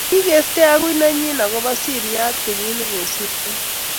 Kigeskei agui nenyi agoba seriat kenyit negisirtoi